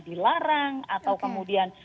dilarang atau kemudian